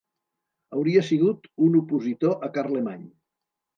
Hauria sigut un opositor a Carlemany.